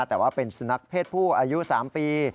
แต่ว่าเป็นสุนัขเพศผู้อายุ๓ปี